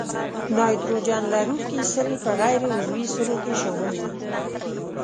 نایتروجن لرونکي سرې په غیر عضوي سرو کې شامل دي.